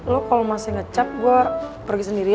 lu kalau masih nge check gua pergi sendiri ya